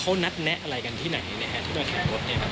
เขานัดแนะอะไรกันที่ไหนนะครับ